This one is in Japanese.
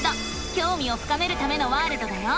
きょうみを深めるためのワールドだよ！